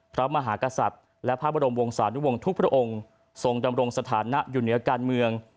พระมหากษัตริย์และพระบรมวงศานุวงศ์ทุกพระองค์ทรงดำรงสถานะอยู่เหนือการเมือง